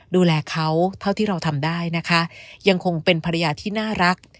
ดูแลเขาเท่าที่เราทำได้นะคะยังคงเป็นภรรยาที่น่ารัก